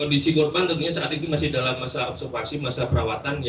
kondisi korban tentunya saat ini masih dalam masa observasi masa perawatan